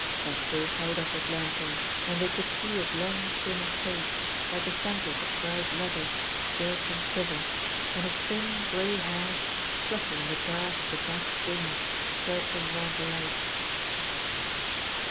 Cethru held up his lanthorn, and they could see his long, thin face, like a sandwich of dried leather, jerk and quiver, and his thin grey hairs flutter in the draught of the bats' wings circling round the light.